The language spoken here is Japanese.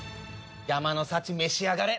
山の幸召し上がれ。